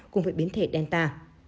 cùng với biến thể delta